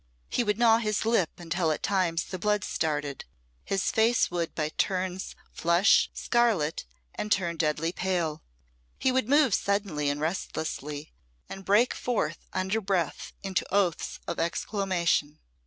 He would gnaw his lip until at times the blood started; his face would by turns flush scarlet and turn deadly pale; he would move suddenly and restlessly, and break forth under breath into oaths of exclamation.